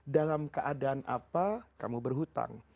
dalam keadaan apa kamu berhutang